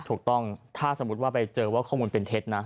ถูกต้องถ้าสมมุติว่าไปเจอว่าข้อมูลเป็นเท็จนะ